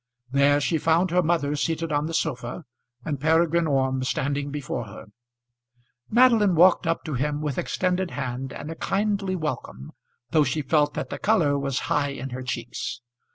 There she found her mother seated on the sofa, and Peregrine Orme standing before her. Madeline walked up to him with extended hand and a kindly welcome, though she felt that the colour was high in her cheeks.